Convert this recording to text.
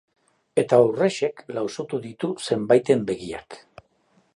Eta horrexek lausotu ditu zenbaiten begiak.